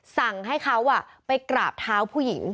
สั่งให้เขาไปกราบเท้าผู้หญิง